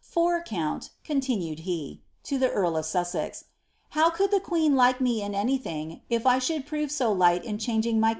For, count,' continued he (to tlie earl of 8u88ex),*how neen like me in anjrthing if I should prove so light in changing my